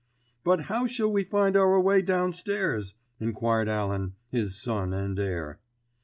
"But how shall we find our way downstairs?" enquired Allan, his son and heir.